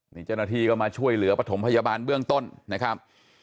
นี่เจ้าหน้าที่ก็มาช่วยเหลือปฐมพยาบาลเบื้องต้นนะครับ